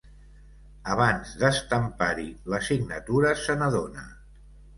Abans d'estampar-hi la signatura se n'adona.